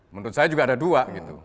menurut saya juga ada dua gitu